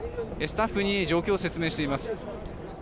スタッフに状況を説明しています。